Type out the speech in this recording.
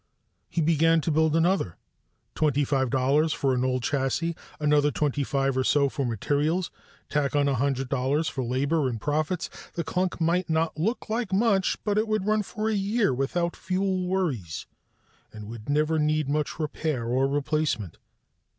He began to build another: twenty five dollars for an old chassis, another twenty five or so for materials, tack on a hundred for labor and profits the clunk might not look like much, but it would run for a year without fuel worries and would never need much repair or replacement.